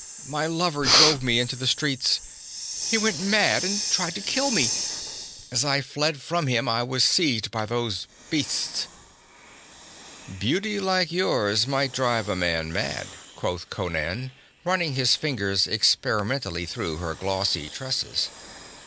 'My lover drove me into the streets. He went mad and tried to kill me. As I fled from him I was seized by those beasts.' 'Beauty like yours might drive a man mad,' quoth Conan, running his fingers experimentally through her glossy tresses.